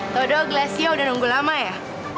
tau doh glacio udah nunggu lama ya